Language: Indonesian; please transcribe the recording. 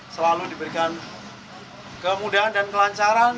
selalu diberikan kemudahan dan kelancaran